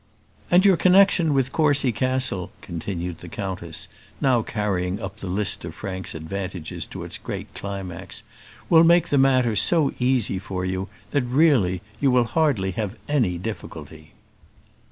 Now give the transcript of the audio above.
"And your connexion with Courcy Castle," continued the countess, now carrying up the list of Frank's advantages to its great climax, "will make the matter so easy for you, that really, you will hardly have any difficulty."